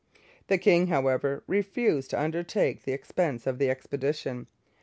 The king, however, refused to undertake the expense of the expedition.